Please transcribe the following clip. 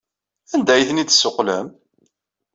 Anda ay ten-id-tessuqqlem?